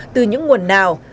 từ những nguồn nào